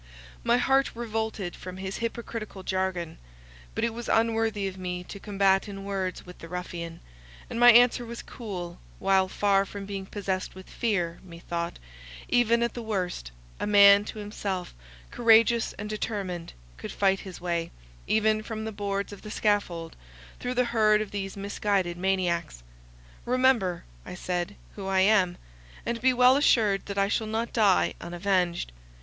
My heart revolted from his hypocritical jargon: but it was unworthy of me to combat in words with the ruffian; and my answer was cool; while, far from being possessed with fear, methought, even at the worst, a man true to himself, courageous and determined, could fight his way, even from the boards of the scaffold, through the herd of these misguided maniacs. "Remember," I said, "who I am; and be well assured that I shall not die unavenged.